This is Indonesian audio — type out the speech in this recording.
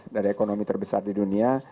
dari ekonomi terbesar di dunia